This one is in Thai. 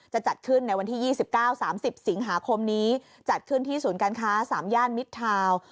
จะจัดขึ้นในวันที่๒๙๓๐สิงหาคมนี้จัดขึ้นที่ศูนย์การค้า๓ย่านมิดทาวน์